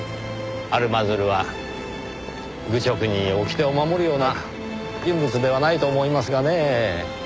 アルマズルは愚直に掟を守るような人物ではないと思いますがねぇ。